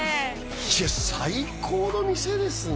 いや最高の店ですね